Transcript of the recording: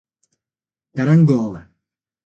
Carangola